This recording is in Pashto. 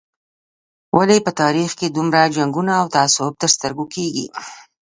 ولې په تاریخ کې دومره جنګونه او تعصب تر سترګو کېږي.